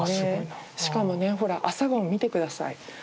しかもねほら朝顔も見て下さい。